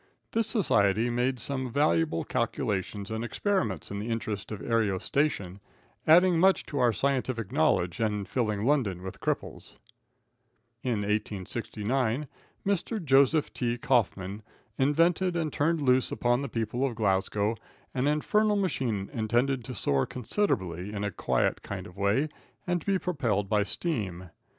This society made some valuable calculations and experiments in the interest of aerostation, adding much to our scientific knowledge, and filling London with cripples. In 1869, Mr. Joseph T. Kaufman invented and turned loose upon the people of Glasgow an infernal machine intended to soar considerably in a quiet kind of way and to be propelled by steam.